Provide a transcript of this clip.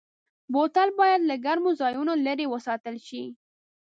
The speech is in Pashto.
بوتل باید له ګرمو ځایونو لېرې وساتل شي.